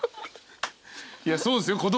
いやそうですよ